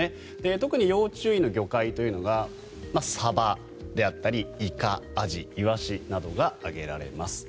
特に要注意の魚介というのがサバであったりイカ、アジイワシなどが挙げられます。